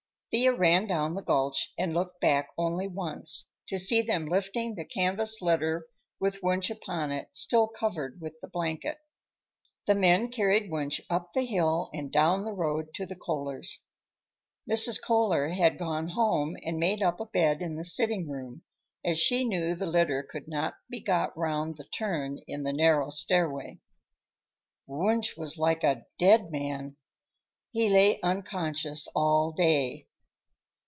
Thea ran down the gulch and looked back only once, to see them lifting the canvas litter with Wunsch upon it, still covered with the blanket. The men carried Wunsch up the hill and down the road to the Kohlers'. Mrs. Kohler had gone home and made up a bed in the sitting room, as she knew the litter could not be got round the turn in the narrow stairway. Wunsch was like a dead man. He lay unconscious all day.